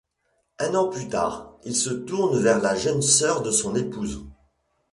Un an plus tard, il se tourne vers la jeune sœur de son épouse.